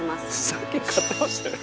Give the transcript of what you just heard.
さっき買ってましたよね。